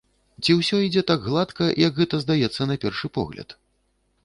Ці ўсё ідзе так гладка, як гэта здаецца на першы погляд?